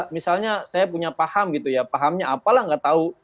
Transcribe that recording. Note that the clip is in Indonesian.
misalnya saya punya paham gitu ya pahamnya apalah nggak tahu